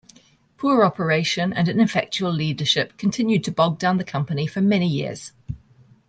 Poor operation and ineffectual leadership continued to bog down the company for many years.